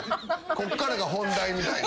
こっからが本題みたいな。